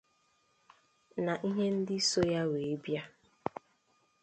na ihe ndị so ya wee bịa.